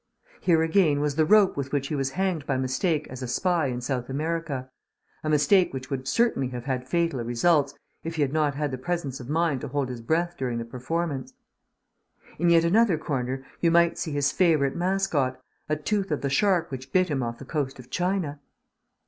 Here, again, was the rope with which he was hanged by mistake as a spy in South America a mistake which would certainly have had fatal results if he had not had the presence of mind to hold his breath during the performance. In yet another corner you might see his favourite mascot a tooth of the shark which bit him off the coast of China.